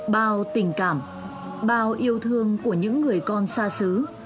bao tình cảm bao yêu thương của những người con xa xứ